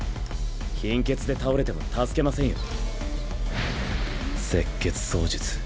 貧血で倒れても助けませんよ。